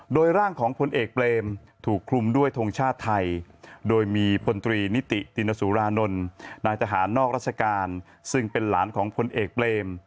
โดยร่างของพลเอกเปรมถูกคลุมด้วยทงชาติไทยโดยมีพลตรีนิติตินสุรานนท์นายทหารนอกราชการซึ่งเป็นหลานของพลเอกเปรม